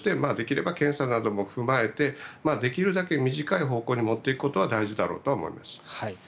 できれば検査を踏まえてできるだけ短い方向に持っていくことは大事だろうと思います。